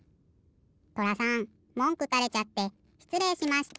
とらさんもんくたれちゃってしつれいしました。